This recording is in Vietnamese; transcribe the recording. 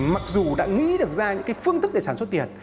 mặc dù đã nghĩ được ra những phương thức để sản xuất tiền